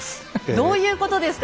どういうことですか！